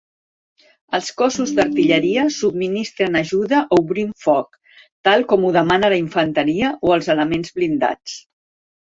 Els cossos d'artilleria subministren ajuda obrint foc, tal com ho demana la infanteria o els elements blindats.